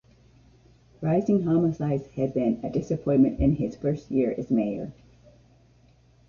Rising homicides had been a disappointment in his first year as mayor.